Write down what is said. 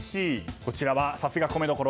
こちらは、さすが米どころ。